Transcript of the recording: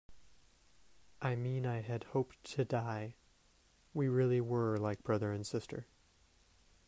I mean I had hoped to die... we really were like brother and sister.